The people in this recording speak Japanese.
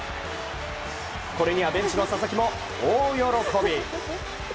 これにはベンチの佐々木も大喜び。